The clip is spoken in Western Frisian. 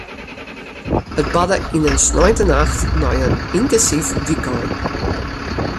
It barde yn in sneintenacht nei in yntinsyf wykein.